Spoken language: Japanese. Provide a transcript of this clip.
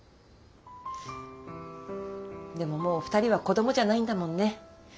でももう２人は子どもじゃないんだもんね。